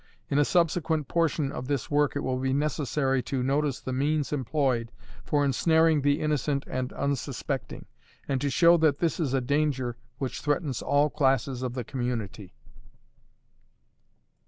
In a subsequent portion of this work it will be necessary to notice the means employed for ensnaring the innocent and unsuspecting, and to show that this is a danger which threatens all classes of the community.